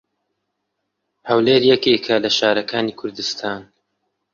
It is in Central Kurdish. هەولێر یەکێکە لە شارەکانی کوردستان.